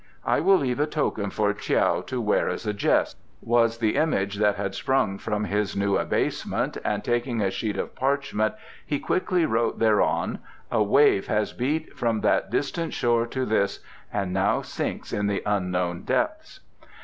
"I will leave a token for Tiao to wear as a jest," was the image that had sprung from his new abasement, and taking a sheet of parchment he quickly wrote thereon: "A wave has beat from that distant shore to this, and now sinks in the unknown depths."